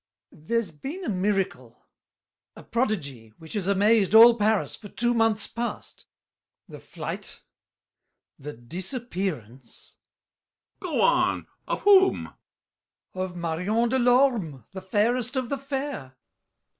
There's been a miracle, A prodigy, which has amazed all Paris For two months past; the flight, the disappearance— BRICHANTEAU. Go on! Of whom? GASSÉ. Of Marion de Lorme, The fairest of the fair!